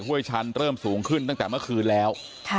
ชันเริ่มสูงขึ้นตั้งแต่เมื่อคืนแล้ว